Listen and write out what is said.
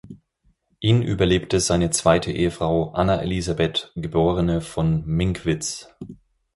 Ihn überlebte seine zweite Ehefrau Anna Elisabeth geborene von Minckwitz.